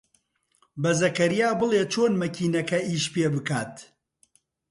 بە زەکەریا بڵێ چۆن مەکینەکە ئیش پێ بکات.